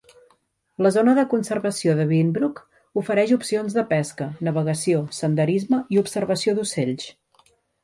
La Zona de Conservació de Binbrook ofereix opcions de pesca, navegació, senderisme i observació d'ocells.